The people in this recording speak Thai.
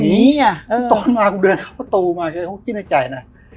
มันไม่ใช่อย่างนี้อ่ะตอนมากูเดินเข้าประตูมาคิดในใจนะ